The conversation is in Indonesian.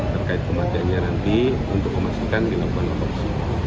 terkait kematiannya nanti untuk memastikan dilakukan otopsi